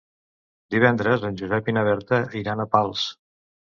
Divendres en Josep i na Berta iran a Pals.